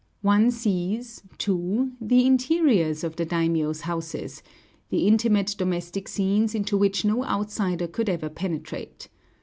One sees, too, the interiors of the daimiōs' houses, the intimate domestic scenes into which no outsider could ever penetrate.